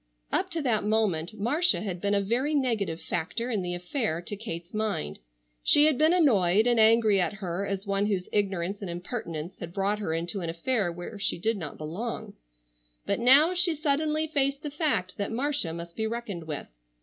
Up to that moment Marcia had been a very negative factor in the affair to Kate's mind. She had been annoyed and angry at her as one whose ignorance and impertinence had brought her into an affair where she did not belong, but now she suddenly faced the fact that Marcia must be reckoned with.